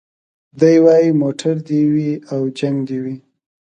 دی وايي موټر دي وي او جنګ دي وي